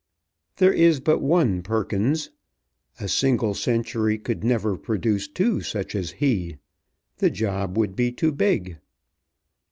There is but one Perkins. A single century could never produce two such as he. The job would be too big.